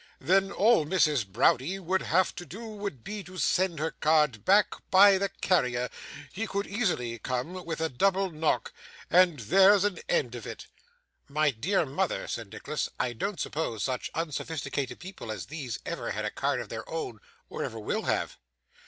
Then all Mrs. Browdie would have to do would be to send her card back by the carrier (he could easily come with a double knock), and there's an end of it.' 'My dear mother,' said Nicholas, 'I don't suppose such unsophisticated people as these ever had a card of their own, or ever will have.